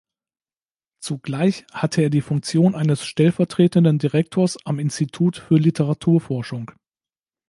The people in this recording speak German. Zugleich hatte er die Funktion eines stellvertretenden Direktors am Institut für Literaturforschung.